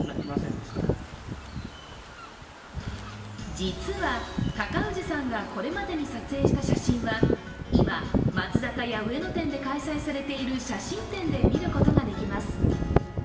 実は高氏さんがこれまでに撮影した写真は今、松坂屋上野店で開催されている写真展で見ることができます。